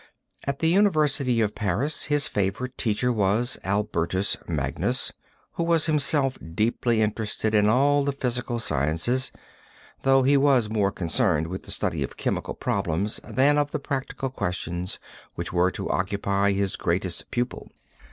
At the University of Paris his favorite teacher was Albertus Magnus, who was himself deeply interested in all the physical sciences, though he was more concerned with the study of chemical problems than of the practical questions which were to occupy his greatest pupil.